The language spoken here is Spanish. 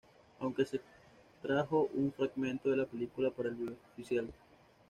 Aunque se extrajo un fragmento de la película para el video oficial.